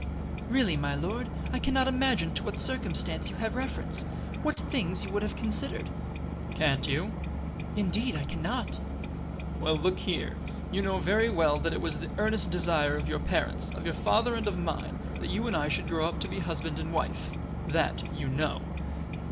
"Really, my lord, I can not imagine to what circumstance you have reference what things you would have considered." "Can't you?" "Indeed, I can not." "Well, look here. You know very well that it was the earnest desire of your parents, of your father and of mine, that you and I should grow up to be husband and wife. That you know."